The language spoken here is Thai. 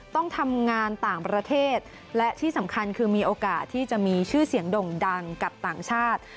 ต้องทำงานต่างประเทศและที่สำคัญคือมีโอกาสที่จะมีชื่อเสียงด่งดังกับต่างชาติ